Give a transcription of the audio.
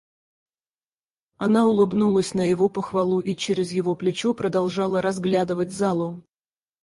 Она улыбнулась на его похвалу и через его плечо продолжала разглядывать залу.